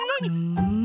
うん。